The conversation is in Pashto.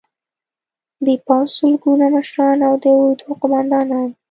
د پوځ سلګونه مشران او د اردو قومندانان